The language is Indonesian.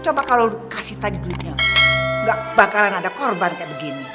coba kalau kasih tadi dunia gak bakalan ada korban kayak begini